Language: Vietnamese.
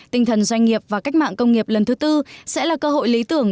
tinh thần doanh nghiệp và cách mạng công nghiệp lần thứ tư sẽ là cơ hội lý tưởng